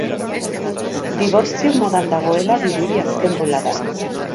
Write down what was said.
Dibortzio modan dagoela dirudi azken boladan.